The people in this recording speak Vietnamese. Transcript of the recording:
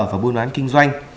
và buôn đoán kinh doanh